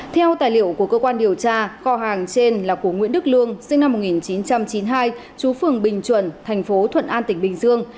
theo tài liệu của cơ quan điều tra kho hàng trên là của nguyễn đức lương sinh năm một nghìn chín trăm chín mươi hai chú phường bình chuẩn thành phố thuận an tỉnh bình dương